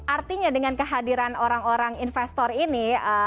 artinya dengan kehadiran orang orang investor ini